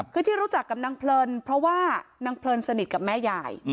คือที่รู้จักกับนางเพลินเพราะว่านางเพลินสนิทกับแม่ยาย